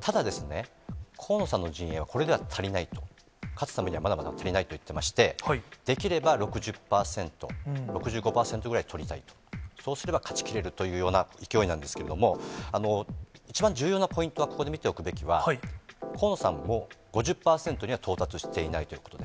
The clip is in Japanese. ただですね、河野さんの陣営はこれでは足りないと、勝つためにはまだまだ足りないと言っていまして、できれば６０％、６５％ぐらい取りたいと、そうすれば勝ちきれるというような勢いなんですけれども、一番重要なポイントは、ここで見ておくべきは、河野さんも、５０％には到達していないということです。